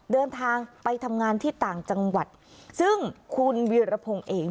เดินทางไปทำงานที่ต่างจังหวัดซึ่งคุณวีรพงศ์เอง